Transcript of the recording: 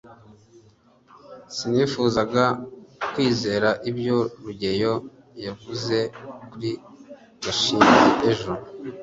sinifuzaga kwizera ibyo rugeyo yavuze kuri gashinzi ejo